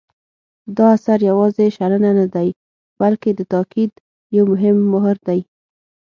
دا اثر یوازې شننه نه دی بلکې د تاکید یو مهم مهر دی.